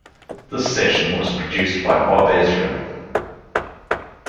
This session was produced by Bob Ezrin.